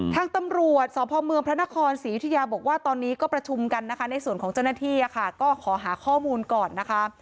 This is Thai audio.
ทางตำรวจสพเมืองพระนครศรียุธยาบอกว่าตอนนี้ก็ประชุมกันนะคะในส่วนของเจ้าหน้าที่ก็ขอหาข้อมูลก่อนนะคะ